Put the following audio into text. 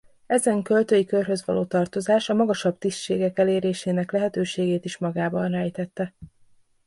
Ezen költői körhöz való tartozás a magasabb tisztségek elérésének lehetőségét is magában rejtette.